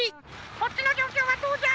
そっちのじょうきょうはどうじゃ？